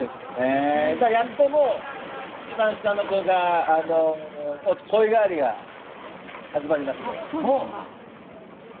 やっと一番下の子が声変わりが始まりまして。